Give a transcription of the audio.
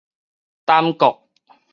耽擱